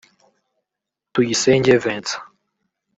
Tuyisenge Vincent